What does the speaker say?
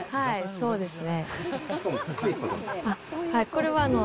そうですね。